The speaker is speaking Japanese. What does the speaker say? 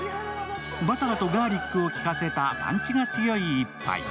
バターとガーリックを効かせたパンチの強い一杯。